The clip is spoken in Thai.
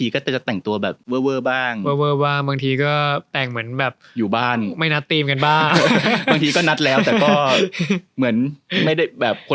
ก็มานอนรุ้นกันนะครับ